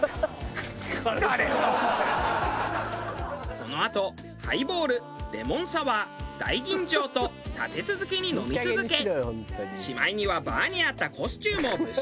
このあとハイボールレモンサワー大吟醸と立て続けに飲み続けしまいにはバーにあったコスチュームを物色。